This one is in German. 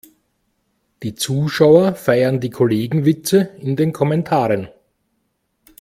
Die Zuschauer feiern die Kollegenwitze in den Kommentaren.